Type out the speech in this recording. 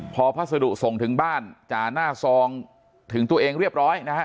พอพัสดุส่งถึงบ้านจ่าหน้าซองถึงตัวเองเรียบร้อยนะฮะ